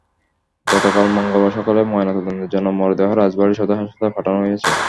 গতকাল মঙ্গলবার সকালে ময়নাতদন্তের জন্য মরদেহ রাজবাড়ী সদর হাসপাতালে পাঠানো হয়েছে।